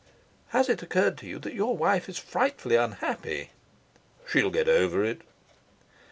"Has it occurred to you that your wife is frightfully unhappy?" "She'll get over it."